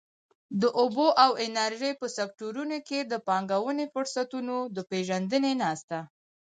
د اوبو او انرژۍ په سکټورونو کې د پانګونې فرصتونو د پېژندنې ناسته.